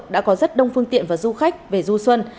đã có rất đông phương tiện và du khách về du xuân